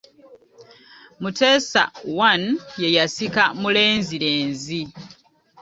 Mutesa I, ye yasika mulenzirenzi.